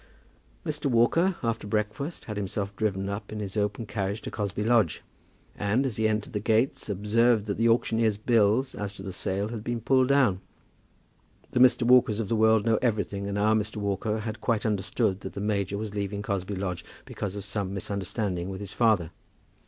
Mr. Walker, after breakfast, had himself driven up in his open carriage to Cosby Lodge, and, as he entered the gates, observed that the auctioneer's bills as to the sale had been pulled down. The Mr. Walkers of the world know everything, and our Mr. Walker had quite understood that the major was leaving Cosby Lodge because of some misunderstanding with his father.